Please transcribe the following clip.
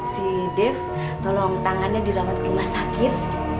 si dev tolong tangannya dirawat ke rumah sakit